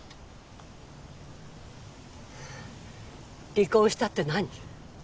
離婚したって何？